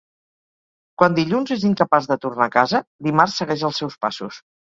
Quan Dilluns és incapaç de tornar a casa, Dimarts segueix els seus passos.